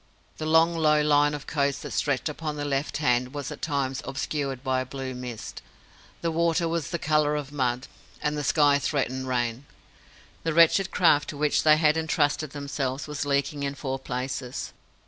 The long low line of coast that stretched upon their left hand was at times obscured by a blue mist. The water was the colour of mud, and the sky threatened rain. The wretched craft to which they had entrusted themselves was leaking in four places.